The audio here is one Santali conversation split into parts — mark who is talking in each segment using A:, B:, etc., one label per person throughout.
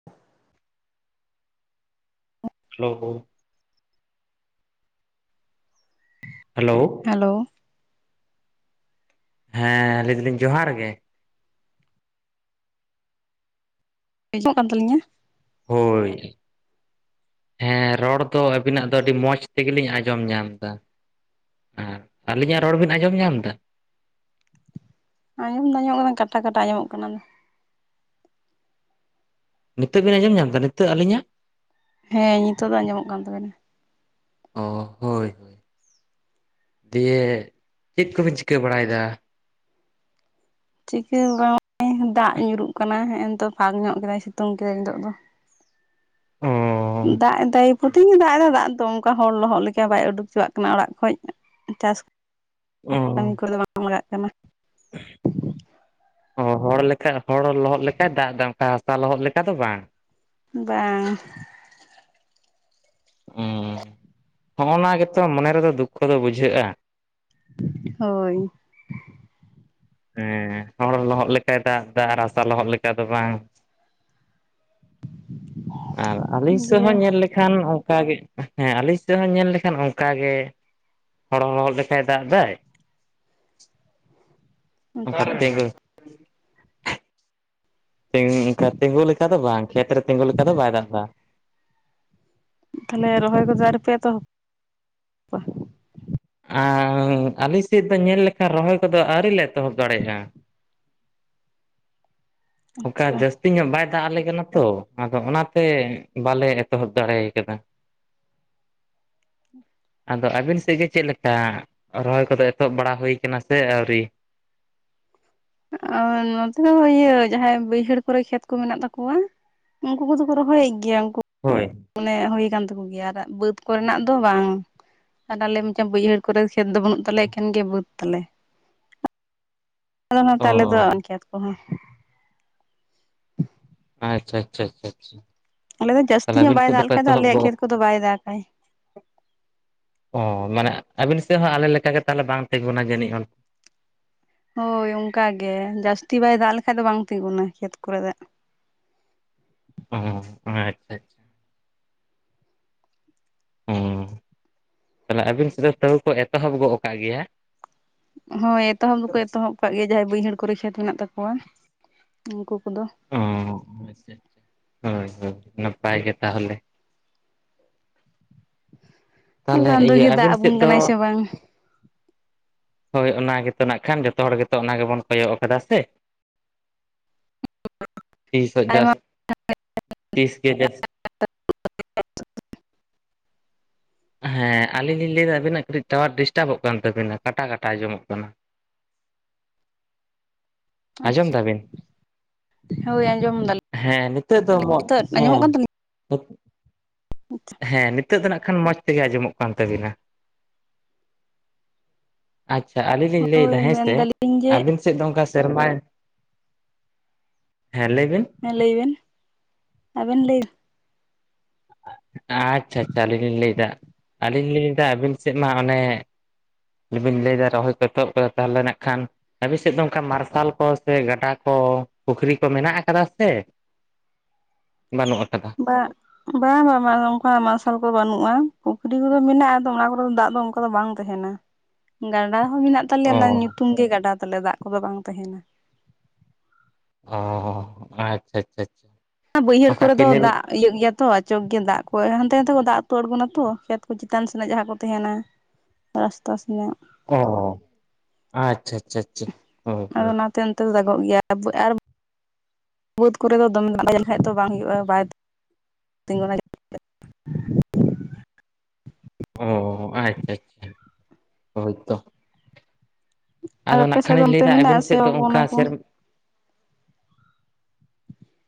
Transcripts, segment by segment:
A: [inaudible] ᱦᱮᱞᱳ ᱦᱮᱞᱳ
B: ᱦᱮᱞᱳ
A: ᱦᱮᱸ ᱞᱟᱹᱭ ᱫᱟᱞᱤᱧ ᱡᱚᱦᱟᱨ ᱜᱮ᱾
B: ᱦᱤᱡᱚᱜ ᱠᱟᱱ ᱛᱟᱹᱞᱤᱧᱟ
A: ᱦᱳᱭ ᱦᱮᱸ ᱨᱚᱲ ᱫᱚ ᱟᱵᱤᱱᱟᱜ ᱫᱚ ᱟᱹᱰᱤ ᱢᱚᱸᱡᱽ ᱛᱮᱜᱮ ᱞᱤᱧ ᱟᱸᱡᱚᱢ ᱧᱟᱢ ᱮᱫᱟ᱾ ᱮᱸᱻ ᱟᱹᱞᱤᱧᱟᱜ ᱨᱚᱲ ᱵᱤᱱ ᱟᱸᱡᱚᱢ ᱧᱟᱢ ᱮᱫᱟ᱾
B: ᱟᱸᱡᱚᱢ ᱫᱚ ᱟᱸᱡᱚᱢ ᱱᱚᱜ ᱠᱟᱱᱟ ᱠᱟᱴᱟ-ᱠᱟᱴᱟ ᱟᱸᱡᱚ ᱢᱚᱜ ᱠᱟᱱᱟ᱾
A: ᱱᱤᱛᱚᱜ ᱵᱤᱱ ᱟᱸᱡᱚᱢ ᱧᱟᱢ ᱮᱫᱟ ᱱᱤᱛᱚᱜ ᱟᱹᱞᱤᱧ ᱟᱜ
B: ᱦᱮᱸ ᱱᱤᱛᱚᱜ ᱫᱚ ᱟᱸᱡᱚᱢᱚᱜ ᱠᱟᱱ ᱛᱟᱵᱮᱱᱟ
A: ᱚ ᱦᱳᱭ ᱛᱚ ᱫᱤᱭᱟ ᱪᱮᱫ ᱠᱚᱵᱤᱱ ᱪᱤᱠᱟᱹ ᱵᱟᱲᱟᱭ ᱫᱟ᱾
B: ᱪᱤᱠᱟᱹ ᱦᱚᱸ ᱵᱟᱝ ᱫᱟᱜ ᱧᱩᱨᱩᱜ ᱠᱟᱱᱟ ᱮᱱᱛᱚ ᱯᱷᱟᱸᱠ ᱧᱚᱜ ᱠᱮᱫᱟᱭ ᱥᱤᱛᱩᱝ ᱠᱮᱫᱟᱭ ᱱᱤᱛᱳᱜ ᱫᱚ᱾
A: ᱚ
B: ᱫᱟᱜ ᱮᱫᱟᱭ ᱯᱚᱛᱤ ᱫᱤᱱ ᱜᱮ ᱫᱟᱜ ᱮᱫᱟ ᱫᱟᱜ ᱫᱟ᱾ ᱚᱱᱠᱟ ᱦᱚᱲ ᱞᱚᱦᱚᱫ ᱞᱮᱠᱟ ᱵᱟᱭ ᱩᱰᱩᱠ ᱦᱚ ᱪᱚᱣᱟᱜ ᱠᱟᱱᱟ ᱚᱲᱟᱜ ᱠᱷᱚᱡ ᱪᱟᱥ
A: ᱚᱸ
B: ᱱᱚᱝ ᱠᱚᱨᱮᱫᱚ ᱵᱟᱝ ᱢᱟᱜᱟᱜ ᱠᱟᱱᱟ᱾
A: [inaudible] ᱚ ᱦᱚᱲ ᱞᱮᱠᱟ ᱦᱚᱲ ᱞᱚᱦᱚᱫ ᱞᱮᱠᱟᱭ ᱫᱟᱜ ᱮᱟᱫᱟ ᱦᱟᱥᱟ ᱞᱚᱦᱚᱫ ᱞᱮᱠᱟ ᱫᱚ ᱵᱟᱝ
B: ᱵᱟᱝ [inaudible]
A: ᱱᱚᱜ ᱱᱚᱣᱟ ᱜᱮ ᱛᱚ ᱢᱚᱱᱮ ᱨᱮᱫᱚ ᱫᱩᱠᱷᱚ ᱫᱚ ᱵᱩᱡᱷᱟᱹᱜᱼᱟ ᱾
B: ᱦᱳᱭ
A: ᱦᱮᱸ ᱦᱚᱲ ᱞᱚᱦᱚᱫ ᱞᱮᱠᱟᱭ ᱫᱟᱜ ᱫᱟᱜ ᱟᱨ ᱨᱟᱥᱟ ᱞᱚᱦᱚᱫ ᱞᱮᱠᱟ ᱫᱚ ᱵᱟᱝ᱾ ᱟᱨ ᱟᱹᱞᱤᱧ ᱥᱮᱫ ᱦᱚᱸ
B: ᱫᱤᱭᱮ
A: ᱧᱮᱞ ᱞᱮ ᱠᱷᱟᱱ ᱚᱱᱠᱜᱮ ᱦᱮᱸ ᱟᱞᱤᱧ ᱥᱮᱫ ᱦᱚᱸ ᱧᱮᱞ ᱞᱮᱠᱷᱟᱱ ᱚᱱᱠᱟ ᱜᱮ ᱦᱚᱲ ᱞᱚᱦᱚᱫ ᱞᱮᱠᱟᱭ ᱫᱟᱜ ᱫᱟᱭ ᱚᱛ
B: ᱟᱪᱪᱷᱟ
A: ᱜᱳᱸ [inaudible] ᱛᱤᱸᱜᱩ ᱞᱮᱠᱟ ᱫᱚ ᱵᱟᱝ ᱠᱷᱮᱛ ᱨᱮ ᱛᱤᱸᱜᱩ ᱞᱮᱠᱟ ᱫᱚ ᱵᱟᱭ ᱫᱟᱜ ᱮᱫᱟ
B: ᱛᱟᱦᱞᱮ ᱨᱚᱦᱚᱭ ᱠᱚᱫᱚ ᱟᱣᱨᱤ ᱯᱮ ᱮᱛᱚᱦᱚᱵ ᱠᱚᱣᱟ?
A: ᱟᱨ ᱟᱞᱮ ᱥᱮᱫ‌ ᱫᱚ ᱧᱮᱞ ᱞᱮᱠᱷᱟᱱ ᱨᱚᱦᱚᱭ ᱠᱚᱫᱚ ᱟᱹᱣᱨᱤ ᱞᱮ ᱮᱛᱚᱦᱚᱵ ᱫᱟᱲᱮᱭᱟᱜᱼᱟ ᱚᱱᱠᱟ
B: ᱟᱪᱪᱷᱟ
A: ᱡᱟᱹᱥᱛᱤ ᱧᱚᱜ ᱵᱟᱭ ᱫᱟᱜ ᱞᱮ ᱠᱟᱱᱟ ᱛᱚ ᱚᱱᱟ ᱛᱮ ᱵᱟᱞᱮ ᱮᱛᱚᱦᱚᱵ ᱫᱟᱲᱮ ᱠᱟᱫᱟ
B: ᱦᱩ [inaudible]
A: ᱟᱫᱚ ᱟᱹᱵᱤᱱ ᱥᱮᱫ ᱜᱮ ᱪᱮᱫ ᱞᱮᱠᱟ ᱨᱚᱦᱚᱭ ᱠᱚᱫᱚ ᱮᱛᱚᱦᱚᱵ ᱵᱟᱲᱟ ᱦᱩᱭ ᱠᱟᱱᱟ ᱥᱮ ᱟᱹᱣᱨᱤ?
B: ᱚᱸ ᱱᱚᱛᱮ ᱤᱭᱟᱹ ᱡᱟᱦᱟᱸᱭ ᱵᱟᱹᱭᱦᱟᱹᱲ ᱠᱚᱨᱮ ᱠᱷᱮᱛ ᱠᱚ ᱢᱮᱱᱟᱜ ᱛᱟᱠᱚᱣᱟ ᱩᱱᱠᱩ ᱠᱚᱫᱚ ᱠᱚ ᱨᱚᱦᱚ ᱭᱮᱫ ᱜᱮᱭᱟ ᱩᱱᱠᱩ
A: ᱦᱳᱭ
B: ᱚᱱᱮ ᱦᱩᱭ ᱠᱟᱱ ᱛᱟᱠᱚ ᱜᱮᱭᱟ ᱟᱨ ᱵᱟᱹᱫᱽ ᱠᱚᱨᱮᱱᱟᱜ ᱫᱚ ᱵᱟᱝ ᱟᱨ ᱟᱞᱮ ᱢᱟᱪᱚᱝ ᱵᱟᱹᱭᱦᱟᱹᱲ ᱠᱚᱨᱮ ᱠᱷᱮᱛ ᱫᱚ ᱵᱟᱹᱱᱩᱜ ᱛᱟᱞᱮ ᱮᱠᱷᱮᱱ ᱜᱮ ᱵᱟᱹᱫ ᱛᱟᱞᱮ ᱟᱞᱮ
A: ᱚ
B: ᱱᱚᱛᱮ ᱟᱞᱮ ᱫᱚ ᱠᱷᱮᱛ ᱠᱚ ᱦᱚᱸ
A: ᱟᱪᱪᱷᱟ ᱟᱪᱪᱷᱟ ᱟᱪᱪᱷᱟ ᱟᱪᱪᱷᱟ
B: ᱟᱞᱮ ᱫᱚ ᱡᱟᱹᱥᱛᱤ
A: ᱛᱟᱦᱚᱞᱮ
B: ᱧᱚᱜ
A: ᱟᱹᱵᱤᱱ
B: ᱵᱟᱭ
A: ᱥᱮᱫ
B: ᱫᱟᱜ ᱞᱮᱠᱷᱟᱡ ᱫᱚ ᱟᱞᱮᱭᱟᱜ ᱠᱷᱮᱛ ᱠᱚᱫᱚ ᱵᱟᱭ ᱫᱟ ᱜᱟᱭ
A: ᱚᱸ ᱢᱟᱱᱮ ᱟᱵᱤᱱ ᱥᱮᱫ ᱦᱚᱸ ᱟᱞᱮᱠᱟᱜᱮ ᱛᱟᱦᱚᱞᱮ ᱵᱟᱝ ᱛᱤᱸᱜᱩᱱᱟ ᱡᱟᱹᱱᱤᱡ ᱚᱱ
B: ᱦᱳᱭ ᱚᱱᱠᱟ ᱜᱮ ᱡᱟᱹᱥᱛᱤ ᱵᱟᱭ ᱫᱟᱜ ᱞᱮᱠᱷᱟᱡ ᱫᱚ ᱵᱟᱝ ᱛᱤᱸᱜᱩᱱᱟ ᱠᱷᱮᱛ ᱠᱚᱨᱮ ᱫᱟᱜ
A: ᱚᱸ ᱟᱪᱪᱷᱟ ᱟᱪᱪᱷᱟ ᱦᱩᱸ ᱛᱟᱦᱚᱞᱮ ᱟᱹᱵᱤᱱ ᱥᱮᱫ ᱫᱚ ᱛᱟᱹᱣ ᱠᱚ ᱮᱛᱚᱦᱚᱵ ᱜᱟᱫ ᱠᱟᱜ ᱜᱮᱭᱟ
B: ᱦᱳᱭ ᱮᱛᱚᱦᱚᱵ ᱫᱚᱠᱚ ᱮᱛᱚᱦᱚᱵ ᱟᱠᱟᱜ ᱜᱮᱭᱟ ᱡᱟᱦᱟᱸᱭ ᱵᱟᱹᱭᱦᱟᱹᱲ ᱠᱚᱨᱮ ᱠᱷᱮᱛ ᱢᱮᱱᱟᱜ ᱛᱟᱠᱚᱣᱟ ᱩᱱᱠᱩ ᱠᱚᱫᱚ
A: ᱚ ᱟᱪᱪᱷᱟ ᱟᱪᱪᱷᱟ ᱦᱳᱭ ᱦᱳᱭ ᱱᱟᱯᱟᱭ ᱜᱮ ᱛᱟᱦᱚᱞᱮ ᱛᱟᱦᱞᱮ
B: ᱪᱟᱸᱫᱳ
A: ᱤᱭᱟᱹ
B: ᱜᱮ ᱫᱟᱜ
A: ᱟᱵᱤᱱ
B: ᱟᱵᱚᱱ
A: ᱥᱮᱫ ᱫᱚ
B: ᱠᱟᱱᱟᱭ ᱥᱮ ᱵᱟᱝ
A: ᱦᱳᱭ ᱚᱱᱟ ᱜᱮᱛᱚ ᱱᱟᱜ ᱠᱷᱟᱱ ᱡᱚᱛᱚ ᱦᱚᱲ ᱜᱮᱛᱚ ᱚᱱᱟ ᱜᱮᱵᱚᱱ ᱠᱚᱭᱚᱜ ᱠᱟᱫᱟ ᱥᱮ ᱥᱤᱥᱚᱜ ᱡᱟᱥ
B: ᱟᱭᱢᱟ
A: ᱛᱤᱥ ᱜᱮ ᱡᱟᱥᱛ
B: [inaudible]
A: ᱦᱮᱸ ᱟᱞᱤᱧ ᱞᱤᱧ ᱞᱟᱹᱭ ᱮᱫᱟ ᱟᱵᱤᱱᱟᱜ ᱠᱟᱹᱴᱤᱡ ᱴᱟᱣᱟᱨ ᱰᱤᱥᱴᱟᱵᱚᱜ ᱠᱟᱱ ᱛᱟᱹᱵᱤᱱᱟ ᱠᱟᱴᱟ ᱠᱟᱴᱟ ᱟᱸᱡᱚᱢᱚᱜ ᱠᱟᱱᱟ ᱟᱸᱡᱚᱢ
B: ᱟᱪᱪᱷᱟ
A: ᱫᱟᱵᱤᱱ?
B: ᱦᱳᱭ ᱟᱸᱡᱚᱢ ᱫᱟᱞᱤᱧ
A: ᱦᱮᱸ ᱱᱤᱛᱳᱜ ᱫᱚ ᱢᱚ
B: ᱱᱤᱛᱚᱜ ᱟᱸᱡᱚᱢᱚᱜ
A: ᱦᱮᱸ
B: ᱠᱟᱱ ᱛᱟᱹᱞᱤᱧᱟ
A: ᱦᱮᱸ ᱱᱤᱛᱚᱜ ᱫᱚ ᱱᱟᱜ ᱠᱷᱟᱱ ᱢᱚᱸᱡᱽ ᱛᱮᱜᱮ ᱟᱸᱡᱚᱢᱚᱜ ᱠᱟᱱ ᱛᱟᱹᱵᱤᱱᱟ ᱟᱪᱪᱷᱟ ᱟᱹᱞᱤᱧ ᱞᱟᱹᱭᱮ
B: ᱦᱳᱭ
A: ᱫᱟ ᱦᱮᱸᱥᱮ
B: ᱢᱮᱱᱫᱟᱞᱤᱧ ᱡᱮ
A: ᱟᱵᱤᱱ ᱥᱮᱫ ᱫᱚ ᱚᱱᱠᱟ ᱥᱮᱨᱢᱟᱭ ᱦᱮᱸ ᱞᱟᱹᱭ ᱵᱤᱱ
B: ᱦᱮᱸ ᱞᱟᱹᱭ ᱵᱮᱱ ᱟᱵᱮᱱ ᱞᱟᱹᱭ
A: ᱟᱪᱪᱷᱟ ᱟᱪᱪᱷᱟ ᱟᱹᱞᱤᱧ ᱞᱤᱧ ᱞᱟᱹᱭᱫᱟ ᱟᱹᱞᱤᱧ ᱞᱤᱧ ᱞᱟᱹᱭᱫᱟ ᱟᱹᱵᱤᱱ ᱥᱮᱫ ᱢᱟ ᱚᱱᱮ ᱡᱩᱫᱤ ᱵᱤᱱ ᱞᱟᱹᱭᱫᱟ ᱨᱚᱦᱚᱭ ᱠᱚ ᱮᱛᱚᱦᱚᱵ ᱛᱟᱦᱚᱞᱮ ᱱᱟᱜ ᱠᱷᱟᱱ ᱟᱵᱤᱱ ᱥᱮᱫ ᱫᱚ ᱚᱱᱠᱟ ᱢᱟᱨᱥᱟᱞ ᱠᱚ ᱥᱮ ᱜᱟᱰᱟ ᱠᱚ ᱯᱩᱠᱷᱨᱤ ᱠᱚ ᱢᱮᱱᱟᱜ ᱠᱟᱫᱟ ᱥᱮ ᱵᱟᱹᱱᱩᱜ ᱠᱟᱫᱟᱻ
B: ᱵᱟᱸ ᱵᱟ ᱵᱟᱝ ᱚᱱᱠᱟ ᱢᱟᱨᱥᱟᱞ ᱠᱚᱫᱚ ᱵᱟᱹᱱᱩᱜᱼᱟ ᱯᱩᱠᱷᱨᱤ ᱠᱚᱫᱚ ᱢᱮᱱᱟᱜᱼᱟ ᱟᱫᱚ ᱚᱱᱟ ᱠᱚᱨᱮ ᱫᱚ ᱫᱟᱜ ᱫᱚ ᱚᱱᱠᱟ ᱫᱚ ᱵᱟᱝ ᱛᱟᱦᱮᱱᱟ ᱜᱟᱰᱟ ᱦᱚᱸ ᱢᱮᱱᱟᱜ ᱛᱟᱞᱮᱭᱟ
A: ᱚ
B: ᱚᱱᱟ ᱧᱩᱛᱩᱢ ᱜᱮ ᱜᱟᱰᱟ ᱛᱟᱞᱮ ᱫᱟᱜ ᱠᱚᱫᱚ ᱵᱟᱝ ᱛᱟᱦᱮᱱᱟ
A: ᱦᱚᱸ ᱦᱚᱸ ᱟᱪᱪᱷᱟ ᱟᱪᱪᱷᱟ ᱟᱪᱪᱷᱟ
B: ᱵᱟᱹᱭᱦᱟᱹᱲ
A: ᱚᱱᱠᱟ
B: ᱠᱚᱨᱮ ᱫᱚ
A: ᱠᱮᱱᱮᱞ
B: ᱫᱟᱜ ᱤᱭᱟᱹᱜ ᱜᱮᱭᱟ ᱛᱚ ᱟᱪᱚᱠ ᱜᱮ ᱫᱟᱜ ᱠᱚ ᱦᱟᱸᱱᱛᱮ ᱱᱟᱛᱮ ᱠᱚ ᱫᱟᱜ ᱠᱚ ᱟᱬᱜᱚᱱᱟᱛᱚ ᱠᱷᱮᱛ ᱠᱚ ᱪᱮᱛᱟᱱ ᱥᱮᱱ ᱡᱟᱦᱟᱸ ᱠᱚ ᱛᱟᱦᱮᱸᱱᱟ, ᱨᱟᱥᱛᱟ ᱥᱮᱱᱟᱜ,
A: ᱚ ᱟᱪᱪᱷᱟ ᱪᱷᱟ ᱪᱷᱟ ᱦᱚ ᱦᱚ᱾
B: ᱟᱯᱮ ᱚᱱᱛᱮ ᱫᱚ ᱫᱟᱜᱚᱜ ᱜᱮᱭᱟ ᱟᱨ ᱵᱟᱹᱫᱽ ᱠᱚᱨᱮ ᱫᱚ ᱫᱚᱢᱮ ᱫᱟᱭ ᱞᱮᱱᱠᱷᱟᱡ ᱫᱚ ᱵᱟᱝ ᱦᱩᱭᱩᱜᱼᱟ ᱵᱟᱭ ᱛᱤᱜᱩᱱᱟ
A: ᱚ ᱟᱪᱪᱷᱟ ᱟᱪᱪᱷᱟ ᱦᱳᱭᱛᱚ᱾
B: ᱟᱨ
A: ᱟᱫᱚ
B: ᱟᱯᱮ
A: ᱱᱟᱜ
B: ᱥᱮᱫ ᱫᱚ
A: ᱠᱷᱟᱱᱤᱧ
B: ᱚᱱᱛᱮ
A: ᱞᱟᱹᱭᱫᱟ
B: ᱢᱮᱱᱟᱜ
A: ᱟᱹᱵᱤᱱ
B: ᱟ ᱥᱮ
A: ᱥᱮᱫ ᱫᱚ
B: ᱚᱱᱟ
A: ᱚᱱᱠᱟ
B: ᱠᱚ
A: ᱥᱮᱨᱢᱟ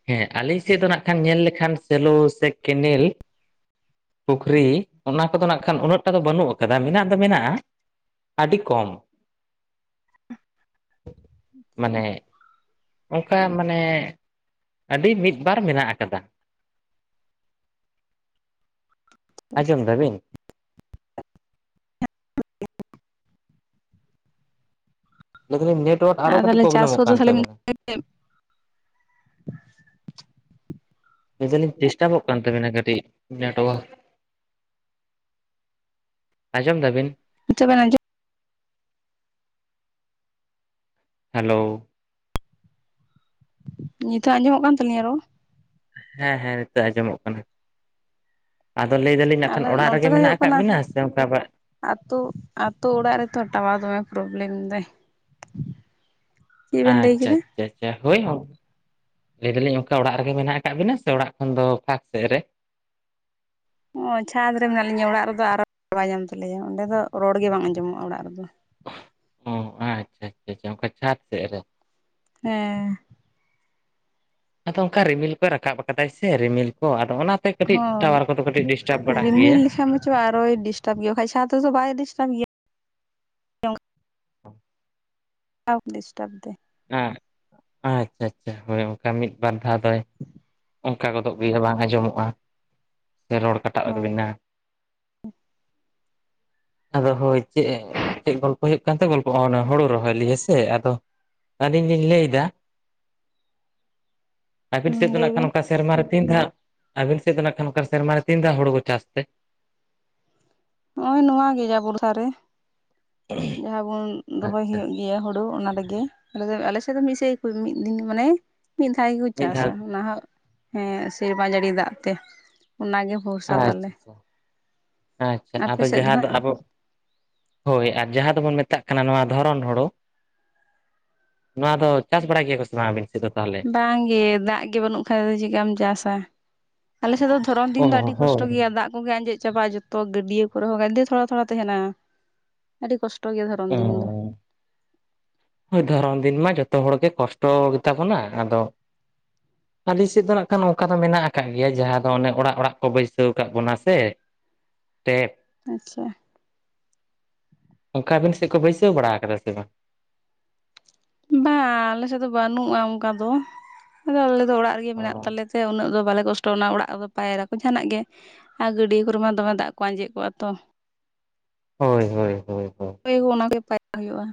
A: ᱦᱮᱸ ᱟᱹᱞᱤᱧ ᱥᱮᱫ ᱫᱚ ᱱᱟᱜᱼᱠᱷᱟᱱ ᱧᱮᱞ ᱞᱮᱠᱷᱟᱱ ᱥᱮᱞᱚ ᱥᱮ ᱠᱮᱱᱮᱞ ᱯᱩᱠᱷᱨᱤ ᱚᱱᱟ ᱠᱚᱫᱚ ᱱᱟᱜ ᱠᱷᱟᱱ ᱩᱱᱟᱹᱜ ᱴᱟ ᱫᱚ ᱵᱟᱹᱱᱩᱜ ᱠᱟᱫᱟ ᱢᱮᱱᱟᱜ ᱫᱚ ᱢᱮᱱᱟᱜᱼᱟ, ᱟᱹᱰᱤ ᱠᱚᱢ᱾ ᱢᱟᱱᱮ ᱚᱝᱠᱟ ᱢᱟᱱᱮ ᱟᱹᱰᱤ ᱢᱤᱫ ᱵᱟᱨ ᱢᱮᱱᱟᱜ ᱠᱟᱫᱟ᱾ ᱟᱸᱡᱚᱢ ᱫᱟᱵᱤᱱ?
B: [inaudible]
A: ᱞᱟᱹᱭᱫᱟᱞᱤᱧ ᱱᱮᱴᱣᱟᱨᱠ ᱟᱨᱚ
B: ᱟᱨ
A: ᱠᱟᱹᱴᱤᱡ
B: ᱛᱟᱦᱚᱞᱮ ᱪᱟᱥ
A: ᱯᱨᱚᱵᱞᱮᱢᱚᱜ
B: ᱠᱚᱫᱚ
A: ᱠᱟᱱ
B: ᱛᱟᱦᱚᱞᱮ
A: ᱛᱟᱵᱤᱱᱟ᱾ ᱞᱮᱫᱟᱞᱤᱧ ᱵᱮᱥᱴᱟᱚᱜ ᱠᱟᱱ ᱛᱟᱵᱮᱱᱟ ᱠᱟᱹᱴᱤᱡᱱᱟᱹ ᱱᱮᱴᱚᱣᱟᱨᱠ᱾ ᱟᱸᱡᱚᱢ ᱫᱟᱵᱤᱱ?
B: ᱱᱤᱛᱚᱜ ᱵᱮᱱ ᱟᱸᱡᱚᱢ
A: ᱦᱮᱞᱳ᱾
B: ᱱᱤᱛᱚᱜ ᱟᱸᱡᱚᱢᱚᱜ ᱠᱟᱱ ᱛᱟᱹᱞᱤᱧᱟ ᱨᱚᱲ?
A: ᱦᱮᱸ ᱦᱮᱸ ᱱᱤᱛᱚᱜ ᱟᱸᱡᱚᱢᱚᱜ ᱠᱟᱱᱟ᱾ ᱟᱫᱚ ᱞᱟᱹᱭ ᱫᱟᱹᱞᱤᱧ
B: ᱟᱞᱮ
A: ᱱᱟᱜᱼᱠᱷᱟᱱ ᱚᱲᱟᱜ ᱨᱮᱜᱮ ᱢᱮᱱᱟᱜ ᱠᱟᱜ ᱵᱤᱱᱟ ᱥᱮ ᱚᱝᱠᱟ ᱵᱟ
B: ᱟᱹᱛᱩ ᱟᱹᱛᱩ ᱚᱲᱟᱜ ᱨᱮᱛᱚ ᱴᱟᱣᱟᱨ ᱫᱚᱢᱮ ᱯᱨᱚᱵᱞᱮᱢᱫᱟᱭ᱾
A: ᱟᱪᱪᱷᱟ᱾ ᱪᱷᱟ ᱪᱷᱟ ᱦᱳᱭ ᱞᱟᱹᱭ ᱫᱟᱞᱤᱧ ᱚᱝᱠᱟ ᱚᱲᱟᱜ ᱨᱮᱜᱮ ᱢᱮᱱᱟᱜ ᱟᱠᱟᱫ ᱵᱤᱱᱟ ᱥᱮ ᱚᱲᱟᱜ ᱠᱷᱚᱱ ᱫᱚ ᱯᱷᱟᱸᱠ ᱥᱮᱫ ᱨᱮ?
B: ᱚ ᱪᱷᱟᱫᱽ ᱨᱮ ᱢᱮᱱᱟᱜ ᱞᱤᱧᱟᱹ ᱚᱲᱟᱜ ᱨᱮᱫᱚ ᱟᱨᱚ ᱵᱟᱭ ᱧᱟᱢ ᱛᱟᱞᱮᱭᱟ ᱚᱸᱰᱮ ᱫᱚ ᱨᱚᱲ ᱜᱮ ᱵᱟᱝ ᱟᱸᱡᱚᱢᱚᱜᱼᱟ ᱚᱲᱟᱜ ᱨᱮᱫᱚ᱾
A: ᱚ ᱟᱪᱪᱷᱟ ᱟᱪᱪᱷᱟ, ᱚᱝᱠᱟ ᱪᱷᱟᱛ ᱥᱮᱜ ᱨᱮ?
B: ᱦᱮᱸ᱾
A: ᱟᱫᱚ ᱚᱝᱠᱟ ᱨᱤᱢᱤᱞ ᱠᱚᱭ ᱨᱟᱠᱟᱵ ᱟᱠᱟᱫᱟᱭ ᱥᱮ ᱨᱤᱢᱤᱞ ᱠᱚ ᱟᱫᱚ ᱚᱱᱟ ᱛᱮ ᱠᱟᱹᱴᱤᱡ
B: ᱦᱳᱭ
A: ᱴᱟᱣᱟᱨ ᱠᱚᱫᱚ ᱠᱟᱹᱴᱤᱡ ᱰᱤᱥᱴᱟᱵ ᱵᱟᱲᱟᱜ ᱜᱮᱭᱟ᱾
B: ᱦᱮᱸᱪᱚᱭ ᱟᱨᱦᱚᱭ ᱰᱤᱥᱴᱟᱨᱵ ᱜᱮᱭᱟ ᱵᱟᱠᱷᱟᱱ ᱥᱟᱶᱛᱮ ᱛᱚ ᱵᱟᱭ ᱰᱤᱥᱴᱟᱨᱵ ᱜᱮᱭᱟ᱾
A: ᱦ [inaudible]
B: [unintelligible] ᱰᱤᱥᱴᱟᱵ ᱫᱟᱭ᱾
A: ᱮᱸᱜ ᱟᱪᱪᱷᱟ ᱪᱷᱟ ᱦᱳᱭ ᱚᱝᱠᱟ ᱢᱤᱫ ᱵᱟᱨ ᱫᱷᱟᱣ ᱫᱚᱭ ᱚᱝᱠᱟ ᱜᱚᱫᱚᱜ ᱜᱮᱭᱟ ᱵᱟᱝ ᱟᱸᱡᱚᱢᱚᱜᱼᱟ, ᱥᱮ ᱨᱚᱲ ᱠᱟᱴᱟᱜ [unintelligible]
B: ᱦᱳᱭ
A: ᱵᱮᱱᱟ ᱟᱫᱚ ᱦᱳᱭ ᱪᱮᱜ ᱪᱮᱜ ᱜᱚᱞᱯᱚ ᱦᱩᱭᱩᱜ ᱠᱟᱱᱛᱮ ᱜᱚᱞᱯᱚᱼᱟ ᱚᱱᱮ ᱦᱩᱲᱩ ᱨᱚᱦᱚᱭ ᱞᱤᱭᱮ ᱦᱮᱥᱮ ᱟᱫᱚ ᱟᱹᱞᱤᱧ ᱞᱤᱧ ᱞᱟᱹᱭ ᱫᱟ ᱟᱹᱵᱤᱱ
B: ᱦᱩᱸ
A: ᱥᱮᱫ ᱫᱚ
B: ᱞᱟᱹᱭ
A: ᱱᱟᱸᱜᱼᱠᱷᱟᱱ
B: ᱵᱮᱱ
A: ᱱᱚᱝᱠᱟ ᱥᱮᱨᱢᱟᱨᱮ ᱛᱤᱱ ᱫᱷᱟᱜ ᱟᱹᱵᱤᱱ ᱥᱮᱫ ᱫᱚ ᱱᱟᱸᱜᱼᱠᱷᱟᱱ ᱚᱱᱠᱟ ᱥᱮᱨᱢᱟᱨᱮ ᱛᱤᱱ ᱫᱷᱟᱣ ᱦᱩᱲᱩ ᱠᱚ ᱪᱟᱥ ᱛᱮ?
B: ᱱᱚᱜᱼᱚᱭ ᱱᱚᱣᱟ ᱜᱮ ᱡᱟ ᱵᱚᱨᱥᱟ ᱨᱮ ᱡᱟᱦᱟᱸ ᱵᱚᱱ ᱨᱚᱦᱚᱭ
A: ᱟᱪᱪᱷᱟ
B: ᱦᱩᱭᱩᱜ ᱜᱮᱭᱟ ᱦᱩᱲᱩ ᱚᱱᱟ ᱨᱮᱜᱮ ᱟ ᱟᱞᱮ ᱥᱮᱫ ᱫᱚ ᱢᱤᱫ ᱥᱮ ᱢᱤᱫ ᱫᱤᱱ ᱢᱟᱱᱮ ᱢᱤᱫ ᱫᱷᱟᱣ ᱜᱮᱠᱚ
A: ᱢᱤᱫ
B: ᱪᱟᱥᱟ,
A: ᱫᱷᱟᱣ
B: ᱚᱱᱟ ᱦᱚᱸ ᱦᱮᱸ ᱥᱮᱨᱢᱟ ᱡᱟᱹᱲᱤ ᱫᱟᱜ ᱛᱮ᱾ ᱚᱱᱟᱜᱮ ᱵᱷᱚᱨᱥᱟ ᱛᱟᱞᱮ
A: ᱟᱪᱪᱷᱟ ᱟᱪᱪᱷᱟ ᱟᱪᱪᱷᱟ
B: ᱟᱯᱮ
A: ᱟᱫᱚ
B: ᱥᱮᱫ
A: ᱡᱟᱦᱟᱸ ᱫᱚ
B: ᱦᱟᱸᱜ
A: ᱟᱵᱚ ᱦᱳᱭ ᱟᱨ ᱡᱟᱦᱟᱸ ᱫᱚᱵᱚᱱ ᱢᱮᱛᱟᱜ ᱠᱟᱱᱟ ᱱᱚᱣᱟ ᱫᱷᱚᱨᱚᱱ ᱦᱳᱲᱳ, ᱱᱚᱣᱟ ᱫᱚ ᱪᱟᱥ ᱵᱟᱲᱟ ᱜᱮᱭᱟ ᱠᱚ ᱥᱮᱱ ᱥᱮᱫ ᱛᱟᱦᱚᱞᱮ
B: ᱵᱟᱝ ᱜᱮ ᱫᱟᱜ ᱜᱮ ᱵᱟᱹᱱᱩᱜ ᱠᱷᱟᱡ ᱫᱚ ᱪᱮᱠᱟᱢ ᱪᱟᱥᱼᱟ ᱾ ᱟᱞᱮᱥᱮᱫ ᱫᱚ ᱫᱷᱚᱨᱚᱱ
A: ᱚ
B: ᱫᱤᱱ ᱫᱚ ᱟᱹᱰᱤ ᱠᱚᱥᱴᱚ
A: ᱦᱳᱭ
B: ᱜᱮᱭᱟ ᱫᱟᱜ ᱠᱚᱜ ᱟᱸᱡᱮᱫ ᱪᱟᱵᱟᱜᱼᱟ ᱡᱚᱛᱚ ᱛᱚ ᱜᱟᱹᱰᱭᱟᱹ ᱠᱚᱨᱮ ᱦᱚᱸ ᱛᱷᱚᱲᱟ ᱛᱷᱚᱲᱟ ᱛᱟᱦᱮᱱᱟ ᱟᱹᱰᱤ ᱠᱚᱥᱴᱚ ᱜᱮᱭᱟ ᱫᱷᱚᱨᱚᱢ ᱫᱤᱱ ᱫᱚ
A: ᱫᱷᱚᱨᱚᱢ ᱫᱤᱱ ᱢᱟ ᱡᱚᱛᱚ ᱦᱚᱲᱜᱮ ᱠᱚᱥᱴᱚ ᱜᱮᱛᱟ ᱵᱚᱱᱟ ᱟᱫᱚ ᱟᱞᱤᱧ ᱥᱮᱫ ᱫᱚ ᱱᱟᱜ ᱠᱷᱟᱱ ᱚᱱᱠᱟ ᱫᱚ ᱢᱮᱱᱟᱜ ᱟᱠᱟᱫ ᱜᱮᱭᱟ ᱡᱟᱦᱟᱸ ᱫᱚ ᱚᱱᱮ ᱚᱲᱟᱜ ᱚᱲᱟᱜ ᱠᱚ ᱵᱟᱹᱭᱥᱟᱹᱣ ᱟᱠᱟᱫ ᱵᱚᱱᱟ ᱥᱮ ᱯᱮ
B: ᱟᱪᱪᱷᱟ
A: ᱚᱱᱠᱟ ᱟᱵᱤᱱ ᱥᱮᱫ ᱠᱚ ᱵᱟᱹᱭᱥᱟᱹᱣ ᱵᱟᱲᱟ ᱟᱠᱟᱫᱟ ᱥᱮ ᱵᱟᱝ
B: ᱵᱟᱝ ᱟᱞᱮ ᱥᱮᱫ ᱫᱚ ᱵᱟᱹᱱᱩᱜᱼᱟ ᱚᱱᱠᱟ ᱫᱚ᱾ ᱟᱫᱚ ᱟᱞᱮ ᱚᱲᱟᱜ ᱨᱮᱜᱮ ᱢᱮᱱᱟᱜ ᱛᱟᱞᱮ ᱛᱮ ᱩᱱᱟᱹᱜ ᱫᱚ ᱵᱟᱞᱮ ᱠᱚᱥᱴᱚᱜᱼᱟ᱾ ᱯᱷᱚᱴᱚᱱᱟ ᱚᱲᱟᱜ ᱨᱮᱫᱚ ᱯᱟᱭᱨᱟ ᱠᱚ ᱡᱟᱦᱟᱱᱟᱜ ᱜᱮ ᱟᱨ ᱜᱟᱹᱰᱭᱟᱹ ᱠᱚᱨᱮ ᱢᱟ ᱫᱚᱢᱮ ᱫᱟᱜ ᱠᱚ ᱟᱸᱡᱮᱫ ᱠᱚᱜᱼᱟ ᱛᱚ᱾
A: ᱦᱳᱭ ᱦᱳᱭ ᱦᱳᱭ ᱦᱳᱭ
B: ᱚᱱᱟᱜᱮ ᱯᱟᱭᱟᱜ ᱦᱩᱭᱩᱜᱼᱟ᱾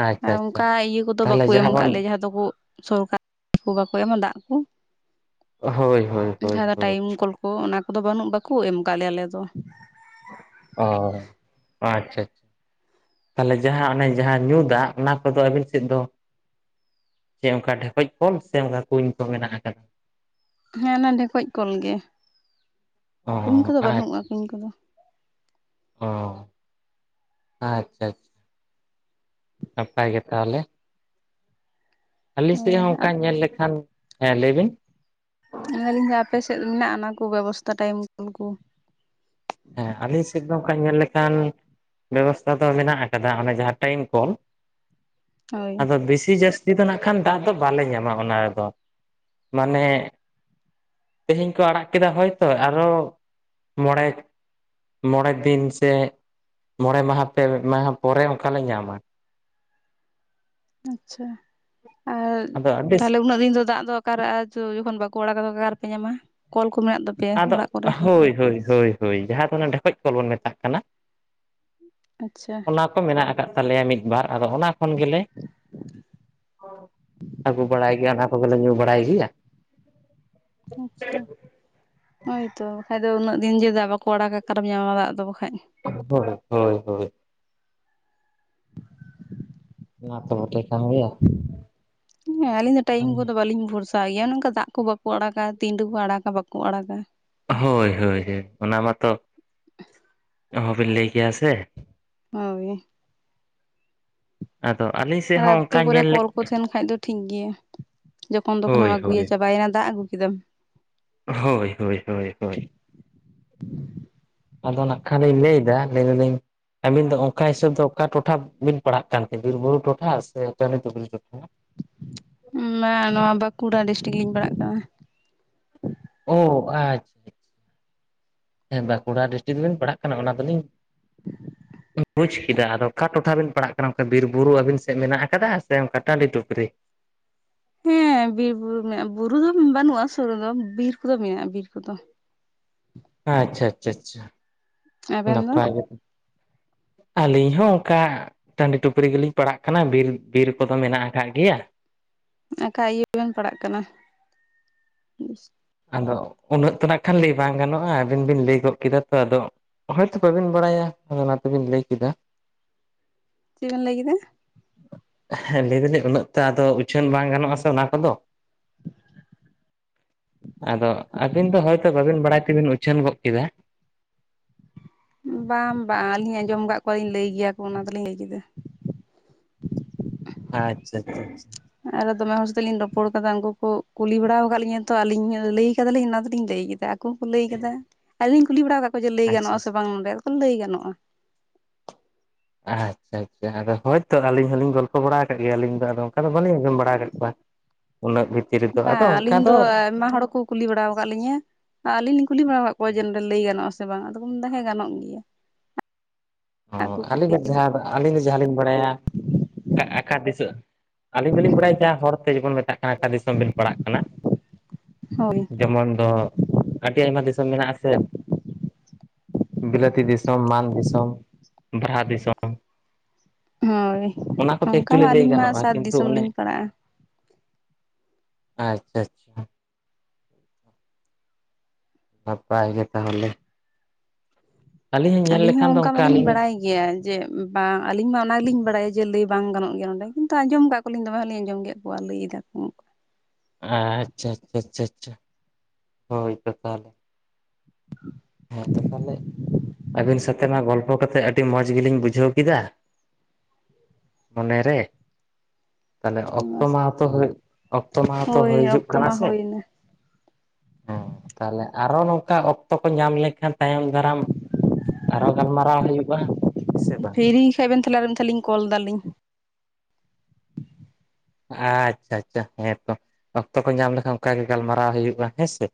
A: ᱟᱪᱪᱷᱟ
B: ᱟᱨ
A: ᱟᱪᱪᱷᱟ
B: ᱚᱱᱠᱟ ᱤᱭᱟᱹ ᱠᱚᱫᱚ
A: ᱛᱟᱦᱚᱞᱮ
B: ᱵᱟᱠᱚ ᱮᱢ
A: ᱡᱟᱦᱟᱸ ᱵᱚᱱ
B: ᱟᱠᱟᱫ ᱞᱮᱭᱟ ᱡᱟᱦᱟᱸ ᱫᱚᱠᱚ ᱥᱚᱨᱠᱟᱨ ᱠᱚ ᱵᱟᱠᱚ ᱮᱢᱟ ᱫᱟᱜ ᱠᱚ᱾
A: ᱦᱳᱭ ᱦᱳᱭ ᱦᱳᱭ
B: ᱡᱟᱦᱟᱸ ᱫᱚ
A: ᱦᱳᱭ
B: ᱴᱟᱭᱤᱢ ᱠᱚᱞ ᱠᱚ ᱚᱱᱟ ᱠᱚᱫᱚ ᱵᱟᱹᱱᱩᱜ ᱵᱟᱠᱚ ᱮᱢ ᱟᱠᱟᱫ ᱞᱮᱭᱟ ᱟᱞᱮ ᱫᱚ᱾
A: ᱚ ᱟᱪᱪᱷᱟ ᱟᱪᱪᱷᱟ ᱛᱟᱦᱞᱮ ᱡᱟᱦᱟᱸ ᱚᱱᱮ ᱡᱟᱦᱟᱸ ᱧᱩ ᱫᱟᱜ ᱚᱱᱟ ᱠᱚᱫᱚ ᱟᱹᱵᱤᱱ ᱥᱮᱫ ᱫᱚ ᱥᱮ ᱚᱱᱠᱟ ᱰᱷᱮᱠᱚᱡ ᱠᱚᱞ ᱥᱮ ᱚᱱᱠᱟ ᱠᱩᱧ ᱠᱚ ᱢᱮᱱᱟᱜ ᱟᱠᱟᱫᱟ?
B: ᱦᱮᱸ ᱚᱱᱟ ᱰᱷᱮᱠᱚᱡ ᱠᱚᱞ ᱜᱮ
A: ᱚ
B: ᱠᱩᱧ ᱠᱚᱫᱚ ᱵᱟᱹᱱᱩᱜᱼᱟ
A: ᱟᱪᱪᱷᱟ
B: ᱠᱩᱧ
A: ᱟᱪᱪᱷᱟ
B: ᱠᱚᱫᱚ᱾
A: ᱚ ᱟᱪᱪᱷᱟ ᱟᱪᱪᱷᱟ ᱱᱟᱯᱟᱭ ᱜᱮ ᱛᱟᱦᱚᱞᱮ ᱟᱞᱤᱧ ᱥᱮᱫ
B: ᱦᱳᱭ
A: ᱦᱚᱸ ᱚᱱᱠᱟ ᱧᱮᱞ ᱞᱮᱠᱷᱟᱱ ᱦᱮᱸ ᱞᱟᱹᱭ ᱵᱤᱱ᱾
B: ᱦᱮᱸ ᱟᱯᱮ ᱥᱮᱫ ᱢᱮᱱᱟᱜᱼᱟ ᱚᱱᱟ ᱠᱚ ᱵᱮᱵᱚᱥᱛᱛᱟ ᱴᱟᱭᱤᱢ ᱠᱚᱞ ᱠᱚ?
A: ᱦᱮᱸ ᱟᱞᱮ ᱥᱮᱫ ᱫᱚ ᱱᱚᱠᱟ ᱧᱮᱞ ᱞᱮᱠᱷᱟᱱ ᱵᱮᱵᱚᱥᱛᱷᱟ ᱫᱚ ᱢᱮᱱᱟᱜ ᱟᱠᱟᱫᱟ ᱚᱱᱟ ᱡᱟᱦᱟᱸ ᱴᱟᱭᱤᱢ ᱠᱚᱞ
B: ᱦᱳᱭ
A: ᱟᱫᱚ ᱵᱮᱥᱤ ᱡᱟᱹᱥᱛᱤ ᱡᱟᱥᱛᱤ ᱱᱟᱜ ᱠᱷᱟᱱ ᱫᱟᱜ ᱫᱚ ᱵᱟᱞᱮ ᱧᱟᱢᱟ ᱚᱱᱟ ᱨᱮᱫᱚ ᱢᱟᱱᱮ ᱛᱮᱦᱮᱧ ᱠᱚ ᱟᱲᱟᱜ ᱠᱮᱫᱟ ᱦᱚᱭᱛᱚ ᱟᱨᱚ ᱢᱚᱬᱮ ᱢᱚᱬᱮ ᱫᱤᱱ ᱥᱮ ᱢᱚᱬᱮ ᱢᱟᱦᱟ ᱯᱮ ᱢᱟᱦᱟ ᱯᱚᱨᱮ ᱚᱱᱠᱟᱞᱮ ᱧᱟᱢᱟ᱾
B: ᱟᱪᱪᱷᱟ ᱟᱨ
A: ᱟᱫᱚ ᱟᱹᱰᱤ
B: ᱛᱟᱦᱞᱮ ᱩᱱᱟᱹᱜ ᱫᱤᱱ ᱫᱚ ᱫᱟᱜ ᱫᱚ ᱚᱠᱟᱨᱟᱜᱼᱟ ᱡᱚᱠᱷᱚᱱ ᱵᱟᱠᱚ ᱟᱲᱟᱜ ᱠᱟᱫᱟ ᱚᱠᱟᱨ ᱨᱮ ᱯᱮ ᱧᱟᱢᱟ ᱠᱚᱞ ᱠᱚ ᱢᱮᱱᱟᱜ ᱟᱯᱮ
A: ᱟᱫᱚ ᱦᱳᱭ ᱦᱳ ᱡᱟᱦᱟᱸ ᱫᱚ ᱰᱷᱮᱠᱚᱡ ᱠᱚᱞ ᱵᱚᱱ ᱢᱮᱛᱟᱜ ᱠᱟᱱᱟ᱾
B: ᱟᱪᱪᱷᱟ
A: ᱚᱱᱟ ᱠᱚ ᱢᱮᱱᱟᱜ ᱟᱠᱟᱫ ᱛᱟᱞᱮᱭᱟ ᱢᱤᱫ ᱵᱟᱨ ᱟᱫᱚ ᱚᱱᱟ ᱠᱷᱚᱱ ᱜᱮᱞᱮ ᱟᱜᱩ ᱵᱟᱲᱟᱭ ᱜᱮᱭᱟ, ᱟᱱᱟ ᱠᱚ ᱜᱮᱞᱮ ᱧᱩ ᱵᱟᱲᱟᱭ ᱜᱮᱭᱟ᱾
B: ᱟᱪᱪᱷᱟ ᱦᱳᱭᱛᱚ ᱵᱟᱠᱷᱟᱡ ᱫᱚ ᱩᱱᱟᱹᱜ ᱫᱤᱱ ᱡᱮ ᱫᱟᱜ ᱵᱟᱠᱚ ᱟᱲᱟᱜᱟ ᱚᱠᱟᱨᱮᱢ ᱧᱟᱢᱟ ᱫᱟᱜ ᱫᱚ ᱵᱟᱠᱷᱟᱡ
A: ᱦᱳᱭ ᱦᱳᱭ ᱦᱳᱭ
B: [inaudible]
A: ᱚᱱᱟ ᱛᱚ ᱵᱚᱴᱷᱮ ᱠᱟᱱ ᱜᱮᱭᱟ ᱾
B: ᱦᱮᱸ ᱟᱞᱤᱧ ᱢᱟ ᱛᱚ ᱴᱟᱭᱤᱢ ᱠᱚᱞ ᱫᱚ ᱵᱟᱞᱤᱧ ᱵᱷᱚᱨᱥᱟ ᱛᱚ ᱭᱟ ᱱᱚᱝᱠᱟ ᱫᱟᱜ ᱠᱚ ᱵᱟᱠᱚ ᱟᱲᱟᱜᱟ ᱛᱤᱸᱰᱩ ᱠᱚ ᱟᱲᱟᱜᱟ ᱵᱟᱠᱚ ᱟᱲᱟᱜᱟ᱾
A: ᱦᱳᱭ ᱦᱳᱭ ᱦᱳᱭ ᱚᱱᱟ ᱢᱟᱛᱚ ᱚᱦᱚᱸ ᱵᱤᱱ ᱞᱟᱹᱭ ᱜᱮᱭᱟ ᱥᱮ
B: ᱦᱳᱭ᱾
A: ᱟᱫᱚ ᱟᱹᱞᱤᱥ
B: ᱟᱨ ᱟᱹᱛᱩ ᱠᱚᱨᱮ ᱠᱚᱞ ᱠᱚ ᱛᱟᱦᱮᱱ ᱠᱷᱟᱡ ᱫᱚ ᱴᱷᱤᱠ ᱜᱮᱭᱟ᱾ ᱡᱚᱠᱷᱚᱱ ᱛᱚᱠᱷᱚᱱᱮᱢ
A: ᱦᱳᱭ
B: ᱟᱹᱜᱩᱭᱟ
A: ᱦᱳᱭ
B: ᱪᱟᱵᱟᱭᱮᱱᱟ ᱫᱟᱜ ᱟᱹᱜᱩ ᱠᱮᱫᱟᱢ
A: ᱦᱳᱭ ᱦᱳᱭ ᱦᱳᱭ ᱦᱳᱭ᱾ ᱟᱫᱚ ᱱᱟ ᱠᱷᱟᱱ ᱤᱧ ᱞᱟᱹᱭ ᱮᱫᱟ᱾ ᱟᱹᱵᱤᱱ ᱫᱚ ᱚᱱᱠᱟ ᱦᱤᱥᱟᱹᱵᱽ ᱫᱚ ᱚᱠᱟ ᱴᱚᱴᱷᱟ ᱵᱤᱱ ᱯᱟᱲᱦᱟᱜ ᱠᱟᱱ ᱛᱮ ᱵᱤᱨᱵᱩᱨᱩ ᱴᱚᱴᱷᱟ ᱥᱮ ᱪᱚᱱᱤᱛᱩᱜᱩᱨ ᱴᱚᱴᱷᱟ
B: ᱢᱟ ᱱᱚᱣᱟ ᱵᱟᱹᱠᱩᱲᱟ ᱰᱤᱥᱴᱤᱠ ᱞᱤᱧ ᱯᱟᱲᱟᱜ ᱠᱟᱱᱟ᱾
A: ᱚ ᱟᱪᱪᱷ ᱦᱮᱸ ᱵᱟᱹᱠᱩᱲᱟ ᱰᱤᱥᱴᱤᱠ ᱨᱮᱵᱮᱱ ᱯᱟᱲᱦᱟᱜ ᱠᱟᱱᱟ ᱚᱱᱟ ᱫᱚᱞᱤᱧ ᱵᱩᱡᱽ ᱠᱮᱫᱟ ᱟᱫᱚ ᱚᱠᱟ ᱴᱚᱴᱷᱟ ᱵᱮᱱ ᱯᱟᱲᱟᱜ ᱠᱟᱱᱟ ᱚᱱᱛᱮ ᱵᱤᱨ ᱵᱩᱨᱩ ᱟᱹᱵᱤᱱ ᱥᱮᱫ ᱢᱮᱱᱟᱜ ᱟᱠᱟᱫᱟ ᱥᱮ ᱚᱱᱠᱟ ᱴᱟᱺᱰᱤ ᱴᱩᱯᱨᱤ
B: ᱦᱮᱸ ᱵᱤᱨ ᱵᱩᱨᱩ ᱢᱮᱱᱟᱜᱼᱟ ᱵᱩᱨᱩ ᱫᱚ ᱵᱟᱹᱱᱩᱜᱼᱟ ᱥᱩᱨ ᱨᱮᱫᱚ ᱵᱤᱨ ᱠᱚᱫᱚ ᱢᱮᱱᱟᱜᱼᱟ ᱵᱤᱨ ᱠᱚᱫᱚ᱾
A: ᱟᱪᱪᱷᱟ ᱟᱪᱪᱷᱟ
B: ᱟᱵᱮᱱ ᱫᱚ
A: ᱱᱟᱯᱟᱭ ᱜᱮᱛᱚ ᱟᱹᱞᱤᱧ ᱦᱚᱸ ᱚᱱᱠᱟ ᱴᱟᱺᱰᱤ ᱴᱩᱯᱨᱤ ᱜᱮᱞᱤᱧ ᱯᱟᱲᱟᱜ ᱠᱟᱱᱟ ᱵᱤᱨ ᱵᱤᱨ ᱠᱚᱫᱚ ᱢᱮᱱᱟᱜ ᱟᱠᱟᱫ ᱜᱮᱭᱟ᱾
B: ᱟᱠᱟ ᱤᱭᱟᱹ ᱵᱮᱱ ᱯᱟᱲᱟᱜ ᱠᱟᱱᱟ?
A: ᱟᱫᱚ ᱩᱱᱟᱹᱜ ᱛᱮ ᱱᱟᱜ ᱠᱷᱟᱱ ᱞᱟᱹᱭ ᱵᱟᱝ ᱜᱟᱱᱚᱜᱼᱟ ᱟᱹᱵᱤᱱ ᱵᱤᱱ ᱞᱟᱹᱭ ᱜᱚᱫ ᱠᱮᱫᱟ ᱛᱚ ᱟᱫᱚ ᱦᱳᱭᱛᱳ ᱵᱟᱹᱵᱤᱱ ᱵᱟᱲᱟᱭᱟ ᱚᱱᱟ ᱛᱮᱵᱤᱱ ᱞᱟᱹᱭ ᱠᱮᱫᱟ᱾
B: ᱪᱮᱫ ᱵᱮᱱ ᱞᱟᱹᱭ ᱠᱮᱫᱟ?
A: ᱦᱮᱸ ᱞᱟᱹᱭ ᱫᱟᱞᱤᱧ ᱩᱱᱟᱹᱜ ᱛᱮ ᱟᱫᱚ ᱩᱪᱷᱟᱹᱱ ᱵᱟᱝ ᱜᱟᱱᱚᱜ ᱟᱥᱮ ᱚᱱᱟ ᱠᱚᱫᱚ ᱟᱫᱚ ᱟᱹᱵᱤᱱ ᱫᱚ ᱦᱚᱭᱛᱚ ᱵᱟᱵᱤᱱ ᱵᱟᱲᱟᱭ ᱛᱮᱵᱤᱱ ᱩᱪᱷᱟᱹᱱ ᱜᱚᱫ ᱠᱮᱫᱟ᱾
B: ᱵᱟᱝ ᱵᱟᱝ ᱟᱹᱞᱤᱧ ᱟᱸᱡᱚᱢ ᱟᱠᱟᱫ ᱠᱚᱣᱟᱞᱤᱧ ᱞᱟᱹᱭ ᱜᱮᱭᱟ ᱠᱚ ᱚᱱᱟ ᱫᱚᱞᱤᱧ ᱞᱟᱹᱭ ᱠᱮᱫᱟ᱾
A: ᱟᱪᱪᱷᱟ᱾
B: ᱦᱮᱸ ᱟᱫᱚ ᱫᱚᱢᱮ ᱦᱚᱲ ᱥᱟᱛᱮᱜ ᱞᱤᱧ ᱨᱚᱯᱚᱲ ᱟᱠᱟᱫᱟ ᱩᱱᱠᱩ ᱠᱚ ᱠᱩᱞᱤ ᱵᱟᱲᱟᱣ ᱟᱠᱟᱫᱞᱤᱧᱟ ᱛᱚ ᱟᱞᱤᱧ ᱞᱟᱹᱭ ᱠᱟᱫᱟᱞᱤᱧ ᱚᱱᱟ ᱫᱚᱞᱤᱧ ᱞᱟᱹᱭ ᱠᱮᱫᱟ᱾ ᱟᱠᱩ ᱦᱚᱸᱠᱚ ᱞᱟᱹᱭ ᱠᱟᱫᱟ ᱟᱞᱤᱧ ᱠᱩᱞᱤ ᱵᱟᱲᱟᱣ ᱟᱠᱟᱫ ᱠᱚᱣᱟ ᱡᱮ ᱞᱟᱹᱭ ᱜᱟᱱᱚᱜᱼ
A: ᱟᱪᱪᱷᱟ
B: ᱟ ᱥᱮ ᱵᱟᱝ ᱱᱚᱸᱰᱮ ᱞᱟᱹᱭ ᱜᱟᱱᱚᱜᱼᱟ᱾
A: ᱟᱪᱪᱷᱟ ᱟᱪᱪᱷᱟ ᱟᱫᱚ ᱦᱳᱭᱛᱚ ᱟᱹᱞᱤᱧ ᱦᱚᱸᱞᱤᱧ ᱜᱚᱞᱯᱷᱚ ᱵᱟᱲᱟ ᱟᱠᱟᱫ ᱜᱮᱭᱟ ᱟᱹᱞᱤᱧ ᱫᱚ ᱟᱫᱚ ᱚᱱᱠᱟ ᱫᱚ ᱵᱟᱹᱞᱤᱧ ᱟᱸᱡᱚᱢ ᱵᱟᱲᱟ ᱟᱠᱟᱫ ᱠᱚᱣᱟ᱾ ᱩᱱᱟᱹᱜ ᱵᱷᱤᱛᱤᱨ ᱨᱮᱫᱚ ᱟᱫᱚ ᱚᱱᱠᱟ ᱫᱚ
B: ᱢᱟ ᱦᱚᱲ ᱠᱚ ᱠᱩᱞᱤ ᱵᱟᱲᱟᱣ ᱟᱠᱟᱫ ᱞᱤᱧᱟ᱾ ᱟᱨ ᱟᱹᱞᱤᱧ ᱞᱤᱧ ᱠᱩᱞᱤ ᱵᱟᱲᱟᱣ ᱟᱠᱟᱫ ᱠᱚᱣᱟ ᱡᱮ ᱱᱚᱸᱰᱮ ᱞᱟᱹᱭ ᱜᱟᱱᱚᱜᱼᱟ ᱥᱮ ᱵᱟᱝ ᱟᱫᱚ ᱠᱚ ᱢᱮᱱᱫᱟ ᱦᱮᱸ ᱜᱟᱱᱚᱜ ᱜᱮᱭᱟ᱾
A: ᱚ
B: ᱟᱠᱚ
A: ᱟᱹᱞᱤᱧ
B: ᱠᱩᱞᱤ
A: ᱫᱚ ᱡᱟᱦᱟᱸᱫᱚ ᱟᱹᱞᱤᱧ ᱫᱚ ᱡᱟᱦᱟᱸᱞᱤᱧ ᱵᱟᱲᱟᱭᱟ ᱟᱠᱟ ᱟᱠᱟ ᱫᱤᱥᱟᱹᱜ ᱟᱹᱞᱤᱧ ᱫᱚᱞᱤᱧ ᱵᱟᱲᱟᱭ ᱜᱮᱭᱟ ᱦᱚᱲ ᱛᱮ ᱡᱮᱢᱚᱱ ᱢᱮᱛᱟᱜ ᱠᱟ ᱟᱠᱟ ᱫᱤᱥᱚᱢ ᱵᱤᱱ ᱯᱟᱲᱟᱜ ᱠᱟᱱᱟ?
B: ᱦᱳᱭ
A: ᱡᱮᱢᱚᱱ ᱫᱚ ᱟᱹᱰᱤ ᱟᱭᱢᱟ ᱫᱤᱥᱚᱢ ᱢᱮᱱᱟᱜ ᱟᱥᱮ ᱵᱤᱞᱟᱹᱛᱤ ᱫᱤᱥᱚᱢ ᱢᱟᱱ ᱫᱤᱥᱚᱢ ᱵᱨᱟᱦᱟ ᱫᱤᱥᱚᱢ
B: ᱦᱳᱭ᱾
A: ᱚᱱᱟ ᱠᱚᱛᱮ
B: ᱚᱱᱠᱟ ᱢᱟ
A: ᱮᱠᱪᱩᱭᱮᱞᱤ ᱞᱟᱹᱭ
B: ᱟᱹᱞᱤᱧ ᱢᱟ
A: ᱜᱟᱱᱚᱜᱼᱟ
B: ᱥᱟᱛ
A: ᱠᱤᱱᱛᱩ
B: ᱫᱤᱥᱚᱢ
A: ᱚᱱᱮ
B: ᱞᱤᱧ ᱯᱟᱲᱟᱜᱼᱟ
A: ᱟᱪᱪᱷᱟ ᱟᱪᱪᱷᱟ᱾ ᱱᱟᱯᱟᱭ ᱜᱮ ᱛᱟᱦᱚᱞᱮ ᱟᱹᱞᱤᱧ ᱦᱚᱸ ᱧᱮᱞ ᱞᱮᱠᱷᱟᱱ ᱫᱚ ᱚᱱᱠᱟ ᱟᱞᱤᱧ
B: ᱜᱮᱭᱟ ᱡᱮ ᱵᱟᱝ ᱟᱹᱞᱤᱧ ᱢᱟ ᱚᱱᱟ ᱜᱮᱞᱤᱧ ᱵᱟᱲᱟᱭᱟ ᱡᱮ ᱞᱟᱹᱭ ᱵᱟᱝ ᱜᱟᱱᱚᱜ ᱜᱮᱭᱟ ᱱᱚᱸᱰᱮ ᱠᱤᱱᱛᱩ ᱟᱸᱡᱚᱢ ᱠᱟᱜ ᱠᱚ ᱠᱚᱞᱤᱧ ᱫᱚ ᱦᱟᱸᱜ ᱞᱤᱧ ᱟᱸᱡᱚᱢ ᱠᱮᱫ ᱠᱚᱣᱟ ᱞᱟᱹᱭ ᱫᱟᱠᱚ
A: ᱦᱮᱸ ᱟᱪᱪᱷᱟ ᱟᱪᱪᱷᱟ ᱟᱪᱪᱷᱟ ᱟᱪᱷᱟ ᱦᱳᱭ ᱛᱚ ᱛᱟᱦᱞᱮ
B: [inaudible]
A: ᱦᱮᱸ ᱛᱚ ᱛᱟᱞᱮ ᱟᱹᱵᱤᱱ ᱥᱮᱛ ᱛᱮᱱᱟᱜ ᱜᱚᱞᱯᱷᱚ ᱠᱟᱛᱮᱜ ᱟᱹᱰᱤ ᱢᱚᱸᱡᱽ ᱜᱮᱞᱤᱧ ᱵᱩᱡᱷᱟᱹᱣ ᱠᱮᱫᱟ ᱢᱚᱱᱮ ᱨᱮ ᱛᱟᱦᱚᱞᱮ ᱚᱠᱛᱚ ᱢᱟᱦᱟ ᱛᱚ ᱚᱠᱛᱚ ᱢᱟᱦᱟ ᱛᱚ
B: ᱦᱳᱭ
A: ᱦᱩᱭ ᱦᱤᱡᱩᱜ
B: ᱚᱠᱛᱚ
A: ᱠᱟᱱᱟ
B: ᱢᱟ
A: ᱥᱮ?
B: ᱦᱩᱭᱱᱟ
A: ᱚ ᱛᱟᱦᱞᱮ ᱟᱨᱚ ᱱᱚᱝᱠᱟ ᱚᱠᱛᱚ ᱧᱟᱢ ᱞᱮᱠᱷᱟᱱ ᱛᱟᱭᱚᱢ ᱫᱟᱨᱟᱢ ᱟᱨᱦᱚᱸ ᱜᱟᱞᱢᱟᱨᱟᱣ ᱦᱩᱭᱩᱜᱼᱟ᱾ ᱦᱮᱸ ᱥᱮ ᱵᱟᱝ
B: ᱯᱷᱤᱨᱤ ᱜᱮᱠᱷᱟᱡ ᱵᱮᱱ ᱛᱟᱞᱦᱮ ᱟᱨ ᱢᱤᱫᱷᱟᱣᱞᱤᱧ ᱠᱚᱞ ᱫᱟᱞᱤᱧ᱾
A: ᱟᱪᱪᱷᱟ ᱪᱷᱟ ᱪᱷᱟ ᱦᱮᱸᱛᱚ ᱚᱠᱛᱚ ᱠᱚ ᱧᱟᱢ ᱞᱮᱠᱷᱟᱱ ᱚᱱᱠᱟ ᱜᱮ ᱜᱟᱞᱢᱟᱨᱟᱣ ᱦᱩᱭᱩᱜᱼᱟ ᱦᱮᱸᱥᱮ?